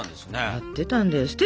やってたんだよ。